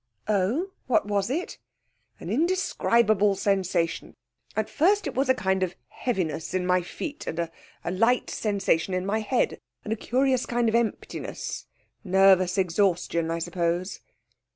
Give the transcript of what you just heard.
'Oh, what was it?' 'An indescribable sensation. At first it was a kind of heaviness in my feet, and a light sensation in my head, and a curious kind of emptiness nervous exhaustion, I suppose.'